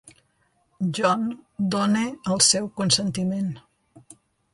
John dóna el seu consentiment.